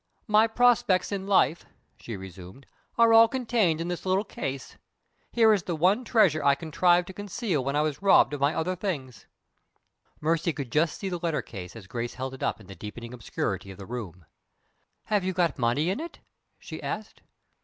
"My prospects in life," she resumed, "are all contained in this little case. Here is the one treasure I contrived to conceal when I was robbed of my other things." Mercy could just see the letter case as Grace held it up in the deepening obscurity of the room. "Have you got money in it?" she asked.